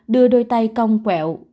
đưa đôi tay cong quẹo